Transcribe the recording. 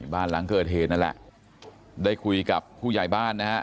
บ้านหลังเกิดเหตุนั่นแหละได้คุยกับผู้ใหญ่บ้านนะฮะ